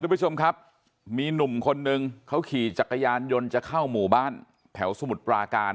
คุณผู้ชมครับมีหนุ่มคนนึงเขาขี่จักรยานยนต์จะเข้าหมู่บ้านแถวสมุทรปราการ